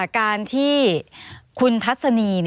การที่คุณทัศนี